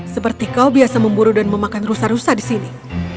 seperti kau biasa memburu dan memakan rusa rusa di sini